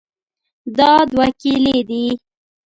دا دوه کیلې دي.